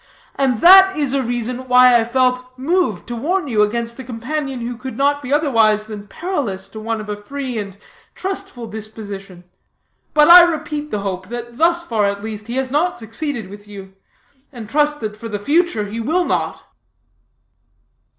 and that is a reason why I felt moved to warn you against a companion who could not be otherwise than perilous to one of a free and trustful disposition. But I repeat the hope, that, thus far at least, he has not succeeded with you, and trust that, for the future, he will not."